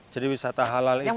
jadi wisata halal itu